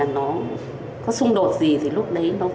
nó không đơn giản